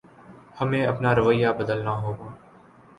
ہمیں اپنا رویہ بدلنا ہوگا